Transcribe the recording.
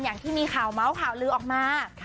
อย่างที่มีข่าวเมาส์ข่าวลือออกมา